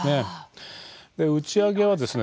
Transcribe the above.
打ち上げはですね